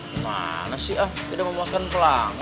gimana sih ah tidak memuaskan pelanggan